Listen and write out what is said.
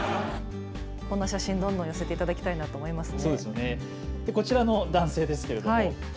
こんな写真、寄せていただきたいなと思いますね。